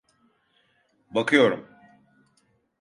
Bakıyorum